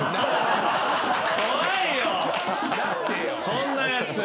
そんなやつ。